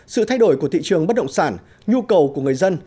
sự thay đổi của thị trường bất động sản nhu cầu của người dân